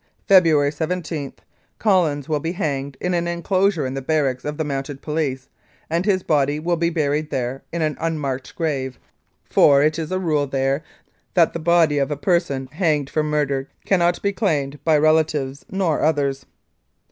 "February 17 Collins will be hanged in an enclosure in the barracks of the Mounted Police, and his body will be buried there in an unmarked grave, for it is a rule 255 Mounted Police Life in Canada there that the body of a person hanged for murder cannot be claimed by relatives nor others.